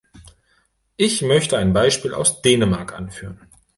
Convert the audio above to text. Ich möchte ein Beispiel aus Dänemark anführen.